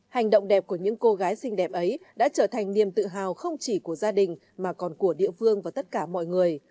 hành động đẹp của những cô gái xinh đẹp ấy đã trở thành niềm tự hào không chỉ của gia đình mà còn của địa phương và tất cả mọi người